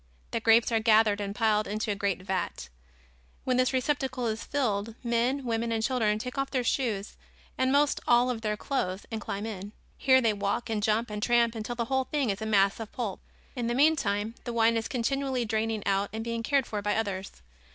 The grapes are gathered and piled into a great vat. When this receptacle is filled, men, women and children take off their shoes and most all of their clothes and climb in. Here they walk and jump and tramp until the whole thing is a mass of pulp. In the meantime, the wine is continually draining out and being cared for by others.